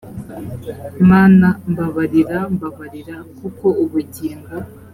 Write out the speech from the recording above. mana mbabarira mbabarira kuko ubugingo